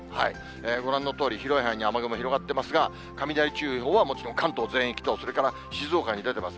ご覧のとおり、広い範囲に雨雲広がってますが、雷注意報はもちろん、関東全域とそれから静岡に出てます。